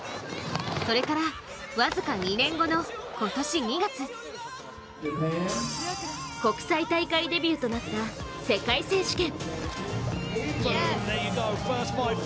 それから僅か２年後の今年２月、国際大会デビューとなった世界選手権。